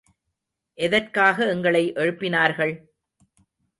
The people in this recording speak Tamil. எதற்காக எங்களை எழுப்பினார்கள்?